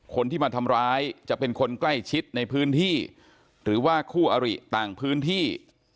คนที่มาทำร้ายจะเป็นคนใกล้ชิดในพื้นที่หรือว่าคู่อริต่างพื้นที่